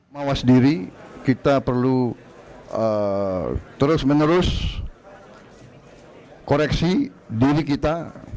mawas diri kita perlu terus menerus koreksi diri kita